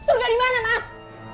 surga dimana mas